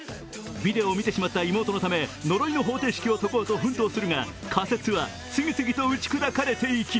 ビデオを見てしまった妹のため呪いの方程式を解こうと奮闘するが仮説は次々と打ち砕かれていき